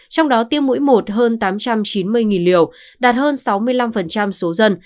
trong đó tiêm mỗi một hơn tám trăm chín mươi liều đạt hơn sáu mươi năm số dân